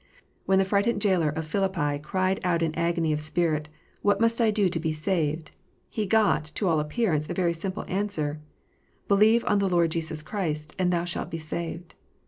When the frightened jailer of Philippi cried out in agony of spirit, " What must I do to be saved 1 " he got, to all appearance, a very simple answer :" Believe on the Lord Jesus Christ, and thou shalt be saved."